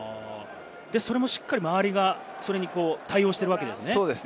それも、しっかり周りが対応しているわけですね。